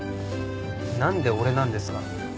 何で俺なんですか？